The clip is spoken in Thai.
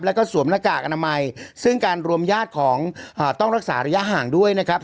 แล้วก็สวมหน้ากากอนามัยซึ่งการรวมญาติของต้องรักษาระยะห่างด้วยนะครับ